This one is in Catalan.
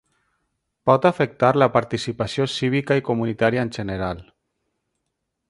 Pot afectar la participació cívica i comunitària en general.